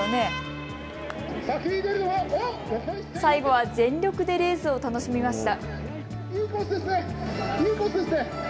最後は全力でレースを楽しみました。